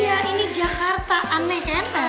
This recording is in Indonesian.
iya ini jakarta aneh enak